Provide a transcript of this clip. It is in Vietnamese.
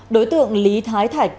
đối tượng lý thái thạch